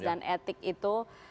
dan etik itu